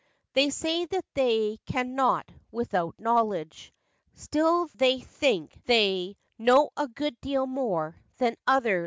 They say they can not Without knowledge. Still they think they Know a good deal more than others.